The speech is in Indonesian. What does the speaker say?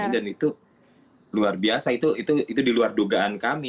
dan itu luar biasa itu di luar dugaan kami